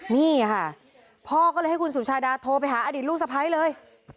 นี่ค่ะพ่อก็เลยให้คุณสุชาดาโทรไปหาอดีตลูกสะพ้ายเลย